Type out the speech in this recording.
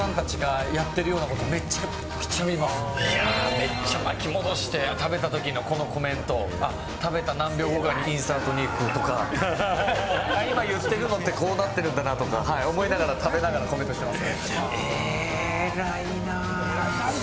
めっちゃ巻き戻して、食べたときのコメント、何秒後かにインサートに行くとか、今、言ってるのってこうなってるんだなとか、思いながら、食べながらコメントしています。